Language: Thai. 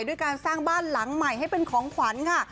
ด้วยการสร้างบ้านหลังใหม่ให้เป็นของขวัญค่ะ